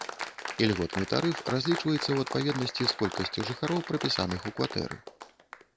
Ільготны тарыф разлічваецца ў адпаведнасці з колькасцю жыхароў, прапісаных у кватэры.